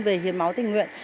về hiến máu tình nguyện